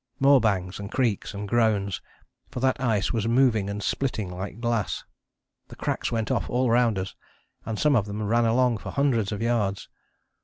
More bangs, and creaks and groans; for that ice was moving and splitting like glass. The cracks went off all round us, and some of them ran along for hundreds of yards.